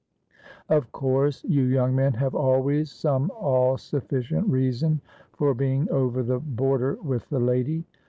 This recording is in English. ' Of course. You young men have always some all sufficient reason for being over the border with the lady.